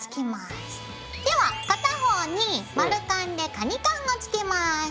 では片方に丸カンでカニカンをつけます。